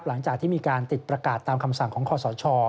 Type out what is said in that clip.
หลังจากที่มีการติดประกาศตามคำสั่งของคอสช